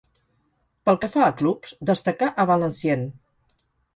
Pel que fa a clubs, destacà a Valenciennes.